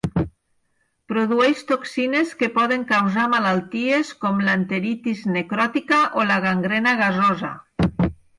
Produeix toxines que poden causar malalties com l'enteritis necròtica o la gangrena gasosa.